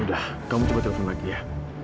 udah kamu coba telepon lagi ya